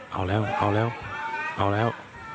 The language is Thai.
เอาแล้วเอาแล้วเอาแล้ว